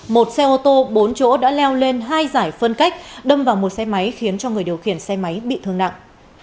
một xe ô tô bốn chỗ đã leo lên hai giải phân cách đâm vào một xe máy khiến cho người điều khiển xe máy bị thương nặng